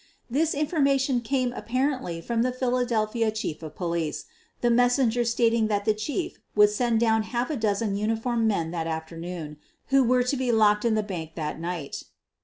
This information came apparently from the Phila delphia Chief of Police, the messenger stating that the Chief would send down half a dozen uniformed men that afternoon, who were to be locked in the bank that night.